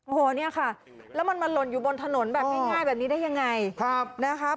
โอ้โหเนี่ยค่ะแล้วมันมาหล่นอยู่บนถนนแบบง่ายแบบนี้ได้ยังไงนะคะ